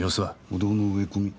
舗道の植え込み。